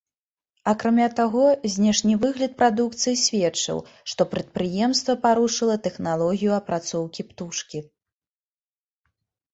Акрамя таго, знешні выгляд прадукцыі сведчыў, што прадпрыемства парушыла тэхналогію апрацоўкі птушкі.